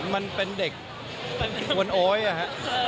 มันเป็นเด็กกวนโอ๊ยอะฮะ